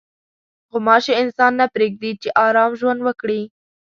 غوماشې انسان نه پرېږدي چې ارام ژوند وکړي.